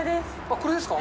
これですか。